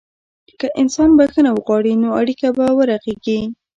که انسان بخښنه وغواړي، نو اړیکه به ورغېږي.